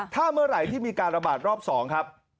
ถ้าเมื่อไหร่ที่มีการระบาดรอบ๒ครับ